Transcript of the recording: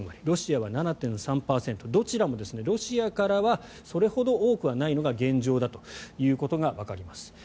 ロシアは７．３％どちらもロシアからはそれほど多くはないのが現状だということがわかります。